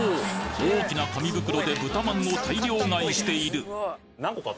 大きな紙袋で豚まんを大量買いしている！